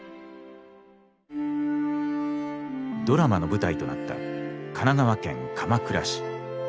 ドラマの舞台となった神奈川県鎌倉市。